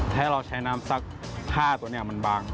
ถ้าเราใช้น้ำสัก๕ตัวเนี่ยมันบาง